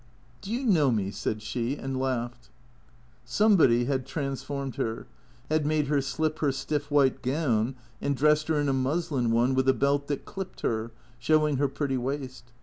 " Do you know me ?" said she, and laughed. Somebody had transformed her, had made her slip her stiff white gown and dressed her in a muslin one with a belt that clipped her, showing her pretty waist.